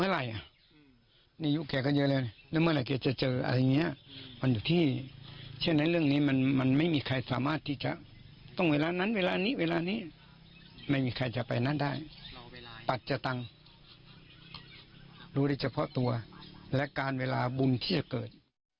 รู้ได้เฉพาะตัวและการเวลาบุญที่จะเกิด